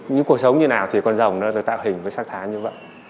những cuộc sống như thế nào thì con rồng nó được tạo hình với sắc thái như vậy